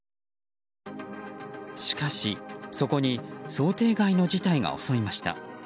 しかし、そこに想定外の事態が襲いました。